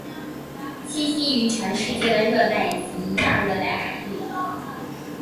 栖息于全世界的热带及亚热带海域。